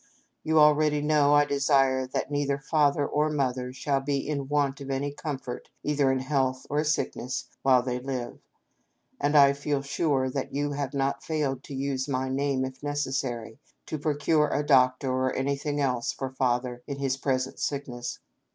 You already know I desire that neither Father or Mother shall be in want of any comfort either in health or sick ness while they live ; and I feel sure you have not failed to use my name, if necessary, to procure a doctor, or anything else for Father in his present sickness.